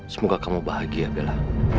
semoga kamu bahagia bella